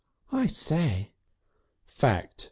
"I say!" "Fact!"